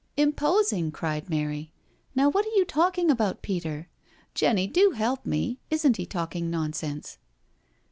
"Imposing!" cried Mary. "Now what are you talking about, Peter? Jenny, do help me^isn't he talking nonsense?"